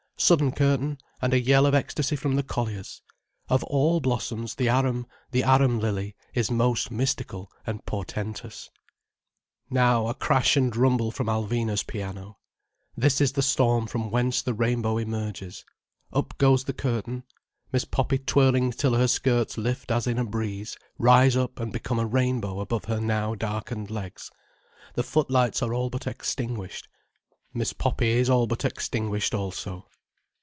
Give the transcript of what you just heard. Sudden curtain, and a yell of ecstasy from the colliers. Of all blossoms, the arum, the arum lily is most mystical and portentous. Now a crash and rumble from Alvina's piano. This is the storm from whence the rainbow emerges. Up goes the curtain—Miss Poppy twirling till her skirts lift as in a breeze, rise up and become a rainbow above her now darkened legs. The footlights are all but extinguished. Miss Poppy is all but extinguished also.